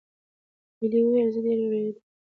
ایلي وویل: "زه ډېره وېرېدلې وم."